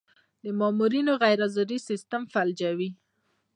د مامورینو غیرحاضري سیستم فلجوي.